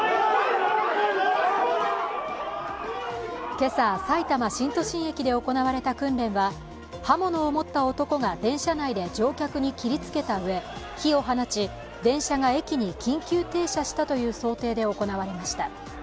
今朝、さいたま新都心駅で行われた訓練は刃物を持った男が電車内で乗客に切りつけたうえ火を放ち、電車が駅に緊急停止したという想定で行われました。